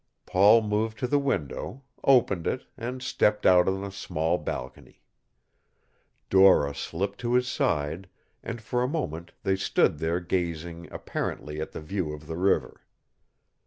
Paul moved to the window, opened it, and stepped out on a small balcony. Dora slipped to his side and for a moment they stood there gazing apparently at the view of the river.